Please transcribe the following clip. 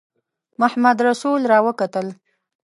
محمدرسول را وکتل.